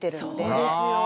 そうですよ。